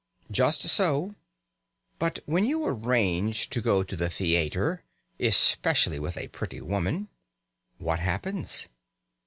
Just so. But when you arrange to go to the theatre (especially with a pretty woman) what happens?